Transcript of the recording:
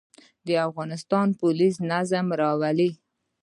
د افغانستان پولیس نظم راولي